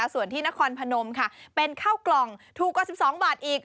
ส่วนที่นครพนมค่ะเป็นข้าวกล่องถูกกว่า๑๒บาทอีก